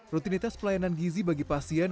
rutinitas pelayanan gizi bagi pasien